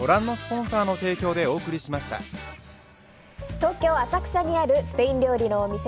東京・浅草にあるスペイン料理のお店